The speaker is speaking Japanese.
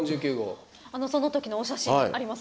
そのときのお写真あります。